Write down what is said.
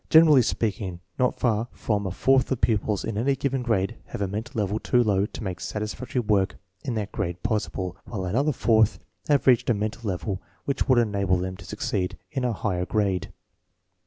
Generally speaking, not far from a fourth of the pupils in any given grade have a mental level too low to make satis factory work in that grade possible, while another fourth have reached a mental level which would enable them to succeed in a higher grade.